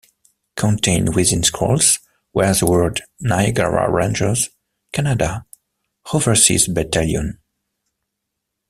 Contained within scrolls were the Words "Niagara Rangers", "Canada", "Overseas Battalion".